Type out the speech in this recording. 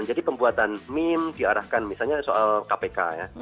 jadi pembuatan meme diarahkan misalnya soal kpk ya